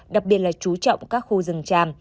đặc biệt là trú trọng các khu rừng tràm